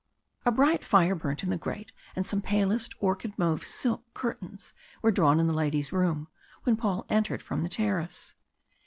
A bright fire burnt in the grate, and some palest orchid mauve silk curtains were drawn in the lady's room when Paul entered from the terrace.